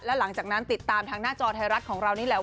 แล้วหลังจากนั้นติดตามทางหน้าจอไทยรัฐของเรานี่แหละ